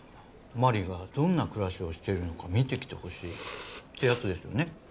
マリーがどんな暮らしをしているのか見てきてほしいってやつですよね。